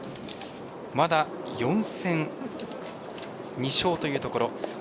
まだ、４戦２勝というところ。